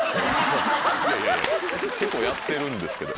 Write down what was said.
結構やってるんですけど。